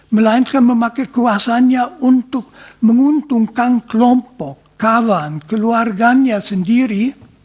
melainkan memakai kuasanya untuk menguntungkan kelompok kawan keluarganya sendiri